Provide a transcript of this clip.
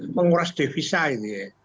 menguras divisa gitu ya